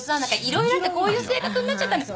色々あってこういう性格になっちゃったの。